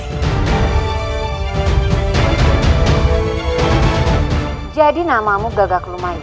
kepada ketiga dukun santri